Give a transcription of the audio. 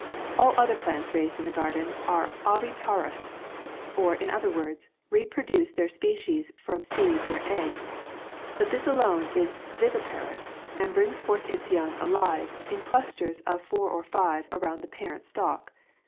All other plants raised in the garden are ovi parous, or in other words, re produce their species from seeds or eggs ; but this alone is viviparous, and brings forth its young aln in clusters of four or five, around the parent stalk.